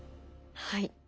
はい。